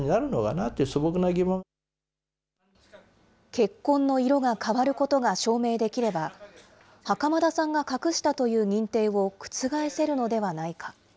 血痕の色が変わることが証明できれば、袴田さんが隠したという認定を覆せるのではないか。